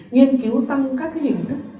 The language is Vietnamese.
nghiên cứu tăng các hình thức xử lý vi phạm